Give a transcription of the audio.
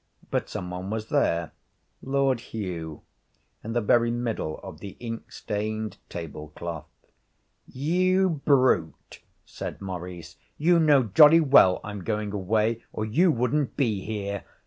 But some one was there: Lord Hugh, in the very middle of the ink stained table cloth. 'You brute,' said Maurice; 'you know jolly well I'm going away, or you wouldn't be here.'